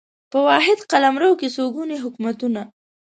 په واحد قلمرو کې څو ګوني حکومتونه